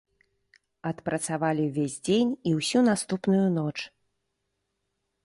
Адпрацавалі ўвесь дзень і ўсю наступную ноч.